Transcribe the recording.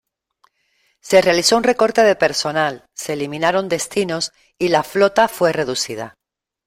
Se realizó un recorte de personal, se eliminaron destinos y la flota fue reducida.